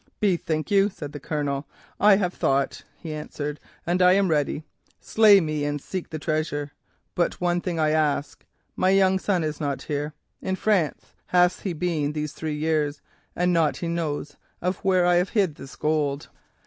"'Bethink you,' said the Colonel. "'I have thought,' he answered, 'and I am ready. Slay me and seek the treasure. But one thing I ask. My young son is not here. In France hath he been these three years, and nought knows he of where I have hid this gold.